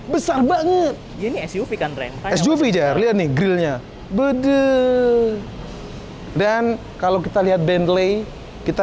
besar banget ini suv kan brand suv jar lihat nih grillnya bede dan kalau kita lihat bandle kita